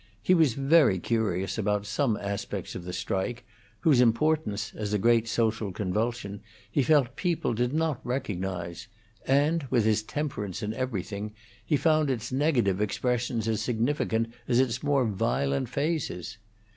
He was very curious about some aspects of the strike, whose importance, as a great social convulsion, he felt people did not recognize; and, with his temperance in everything, he found its negative expressions as significant as its more violent phases.